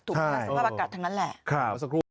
พลังสภาพอากาศทั้งนั้นแหละ